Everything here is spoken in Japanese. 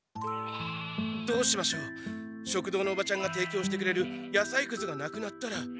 どうしましょう食堂のおばちゃんがていきょうしてくれる野菜クズがなくなったら。